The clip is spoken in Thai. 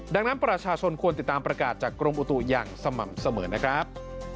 ดังนั้นประชาชนควรติดตามประกาศจากกรมอุตุอย่างสม่ำเสมอนะครับ